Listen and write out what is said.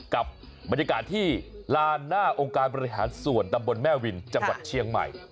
กับบรรยากาศที่ลานหน้าองค์การบริหารส่วนตำบลแม่วินจังหวัดเชียงใหม่